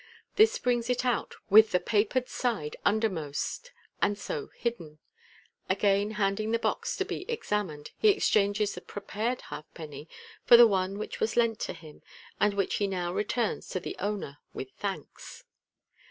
This brings it out with the papered side undermost, and so hidden. Again hand ing the box to be examined, he exchanges the prepared halfpenny for the one which was lent to him, and which he now returns to the owner with thanks.